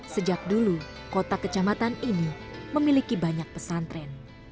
sejak dulu kota kecamatan ini memiliki banyak pesantren